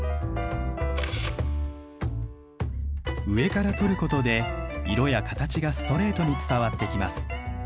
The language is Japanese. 上から撮ることで色や形がストレートに伝わってきます。